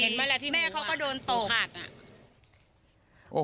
เห็นมาแล้วที่แม่เขาก็โดนโต